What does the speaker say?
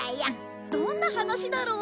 どんな話だろう？